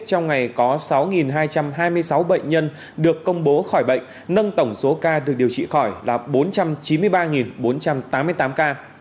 trong ngày có sáu hai trăm hai mươi sáu bệnh nhân được công bố khỏi bệnh nâng tổng số ca được điều trị khỏi là bốn trăm chín mươi ba bốn trăm tám mươi tám ca